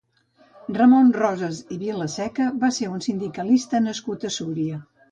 Ramon Rosas i Vilaseca va ser un sindicalista nascut a Súria.